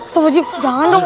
sobat jib jangan dong